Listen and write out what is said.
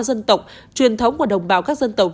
dân tộc truyền thống của đồng bào các dân tộc